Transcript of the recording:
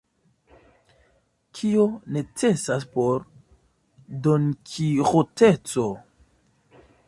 Kio necesas por donkiĥoteco?